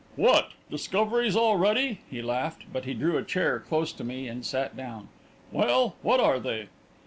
"What, discoveries already?" he laughed, but he drew a chair close to mine and sat down. "Well, what are they?"